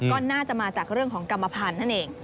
ก็น่าจะมาจากเรื่องของกรรมพันธุ์นั่นเอง